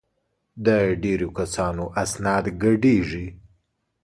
د ډېرو کسانو اسناد ګډېږي.